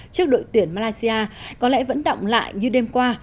trước đội tuyển malaysia có lẽ vẫn động lại như đêm qua